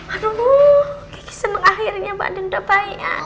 aduh kagak seneng akhirnya mbak andin udah bayar